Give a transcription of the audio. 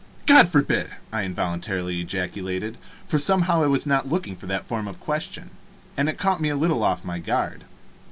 "God forbid!" I involuntarily ejaculated, for somehow I was not looking for that form of question, and it caught me a little off my guard.